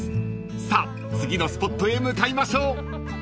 ［さあ次のスポットへ向かいましょう］